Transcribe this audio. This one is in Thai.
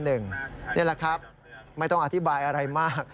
นี่แหละครับไม่ต้องอธิบายอะไรมาก